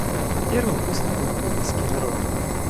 Первым выступил тунисский народ.